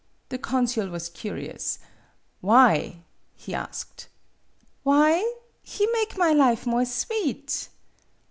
The consul was curious. "Why?" he asked. '' Why ? He make my life more sweet.